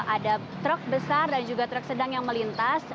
ada truk besar dan juga truk sedang yang melintas